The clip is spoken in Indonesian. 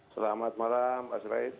selamat malam pak seraid